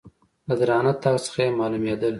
له درانه تګ څخه یې مالومېدل .